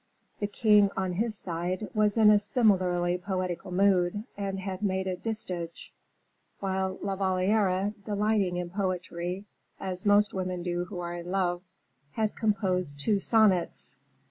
The king, on his side, was in a similarly poetical mood, and had made a distich; while La Valliere, delighting in poetry, as most women do who are in love, had composed two sonnets.